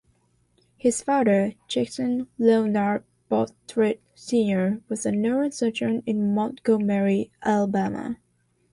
His father, Jackson Leonard Bostwick Senior was a neurosurgeon in Montgomery, Alabama.